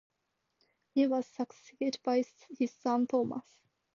He was succeeded by his son Thomas.